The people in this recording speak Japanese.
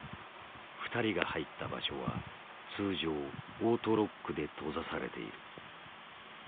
２人が入った場所は通常オートロックで閉ざされている。